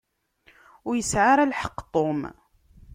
Ur yesɛi ara lḥeqq Tom.